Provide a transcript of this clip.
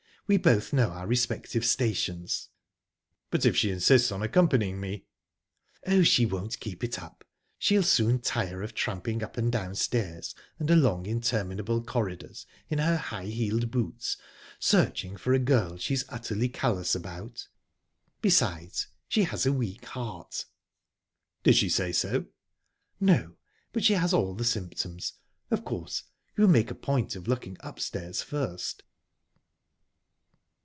We both know our respective stations." "But if she insists on accompanying me...?" "Oh, she won't keep it up; she'll soon tire of tramping up and down stairs, and along interminable corridors, in her high heeled boots searching for a girl she's utterly callous about. Besides, she has a weak heart..." "Did she say so?" "No, but she has all the symptoms...Of course, you'll make a point of looking upstairs first."